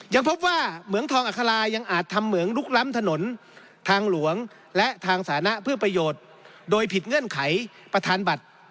ยังพบว่าเหมืองทองอัครายังอาจทำเหมืองลุกล้ำถนนทางหลวงและทางสานะเพื่อประโยชน์โดยผิดเงื่อนไขประธานบัตร